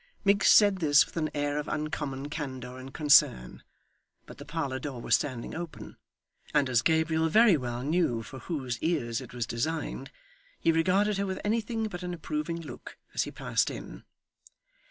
Miggs said this with an air of uncommon candour and concern; but the parlour door was standing open, and as Gabriel very well knew for whose ears it was designed, he regarded her with anything but an approving look as he passed in.